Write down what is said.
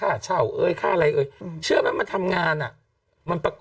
ค่าเช่าเอ้ยค่าอะไรเอ้ยห้อเชื่อมันมันทำงานน่ะ